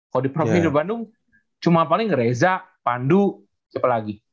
kalau di provinsi bandung cuma paling reza pandu siapa lagi